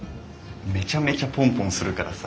めちゃめちゃポンポンするからさ。